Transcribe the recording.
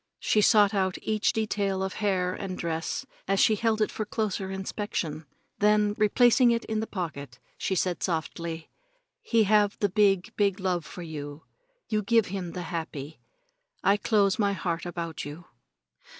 She sought out each detail of hair and dress as she held it for closer inspection, then replacing it in the pocket she said softly: "He have the big, big love for you. You give him the happy. I close my heart about you."